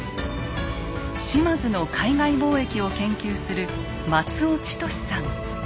島津の海外貿易を研究する松尾千歳さん。